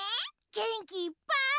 げんきいっぱい。